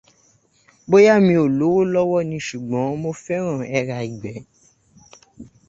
Bóyá mi ò lówó lọ́wọ́ ni ṣùgbọ́n mo fẹ́ràn ẹra ìgbẹ́.